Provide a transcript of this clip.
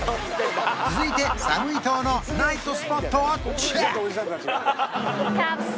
続いてサムイ島のナイトスポットをチェック！